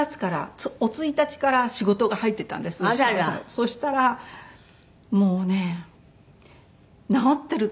そしたらもうね治ってると思ったら。